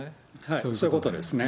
そういうことですね。